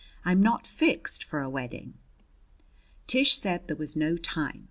"I'm not fixed for a wedding." Tish said there was no time.